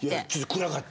暗かった。